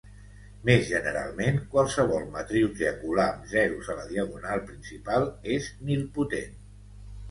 Més generalment, qualsevol matriu triangular amb zeros a la diagonal principal és nilpotent.